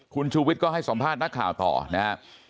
คุณชูวิทย์ก็ให้สัมภาษณ์นักข่าวต่อนะครับ